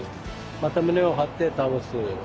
また胸を張って倒す。